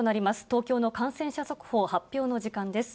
東京の感染者速報発表の時間です。